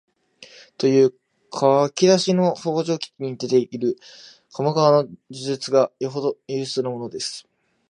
という書き出しの「方丈記」に出ている鴨川の叙述がよほど有数なものです